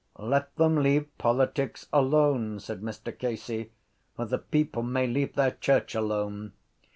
—Let them leave politics alone, said Mr Casey, or the people may leave their church alone.